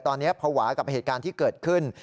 ตอนนี้ภาวะกับเหตุการณ์ที่เกิดขึ้น